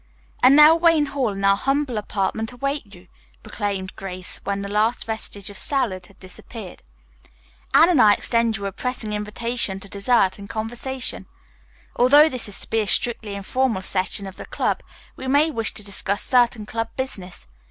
"And now Wayne Hall and our humble apartment await you," proclaimed Grace when the last vestige of salad had disappeared. "Anne and I extend you a pressing invitation to dessert and conversation. Although this is to be a strictly informal session of the club, we may wish to discuss certain club business.